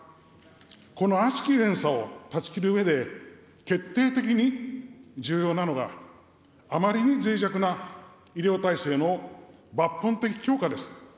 この悪しき連鎖を断ち切るうえで、決定的に重要なのが、あまりにぜい弱な医療体制の抜本的強化です。